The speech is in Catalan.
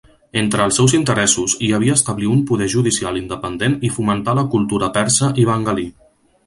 Entre els seus interessos hi havia establir un poder judicial independent i fomentar la cultura persa i bengalí.